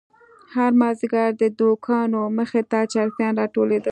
هر مازيگر د دوکانو مخې ته چرسيان راټولېدل.